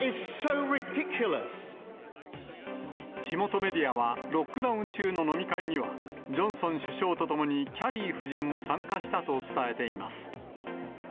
地元メディアは、ろっくだうんちゅうののみかいには、ジョンソン首相とともにキャリー夫人も参加したと伝えています。